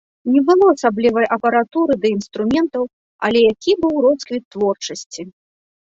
Не было асаблівай апаратуры ды інструментаў, але які быў росквіт творчасці!